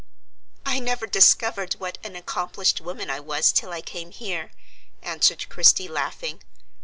"I never discovered what an accomplished woman I was till I came here," answered Christie, laughing.